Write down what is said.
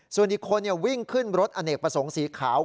ส่วนอีกคนวิ่งขึ้นรถอเนกประสงค์สีขาว